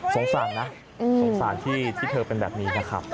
สงสารนะสงสารที่เธอเป็นแบบนี้นะครับ